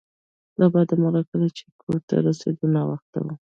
له بده مرغه کله چې کور ته ورسیدل ناوخته و